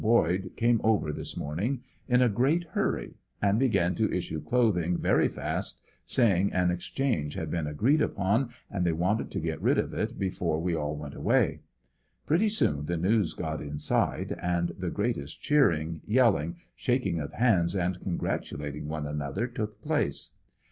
Boyd came oyer this morning in a great hurry and began to issue clothing very fast saying an ex change had been agreed upon and they wanted to get rid of it before we all went away. Pretty soon the news got inside and the great est cheering, yelling, shaking of hands and congratulating one an other took place.